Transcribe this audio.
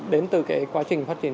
đến từ cái quá trình phát triển